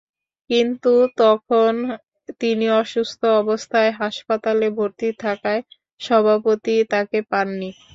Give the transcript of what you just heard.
কিন্তু তখন তিনি অসুস্থ অবস্থায় হাসপাতালে ভর্তি থাকায় সভাপতি তাঁকে পাননি।